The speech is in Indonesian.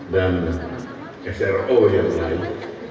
dan sro yang lain